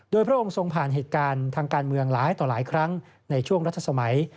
โดยพระองค์ทรงผ่านเหตุการณ์ทางการเมืองหลายต่อหลายครั้งในช่วงรัชสมัย